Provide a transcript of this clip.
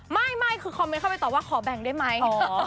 ไม่คือคอมเมนต์เข้าไปตอบว่าขอแบ่งได้ไหม